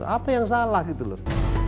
apa yang salah gitu loh